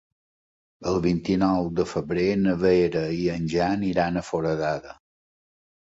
El vint-i-nou de febrer na Vera i en Jan iran a Foradada.